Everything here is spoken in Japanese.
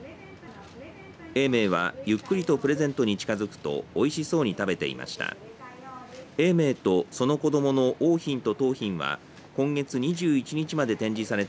永明はゆっくりとプレゼントに近づくとおいしそうに食べていました。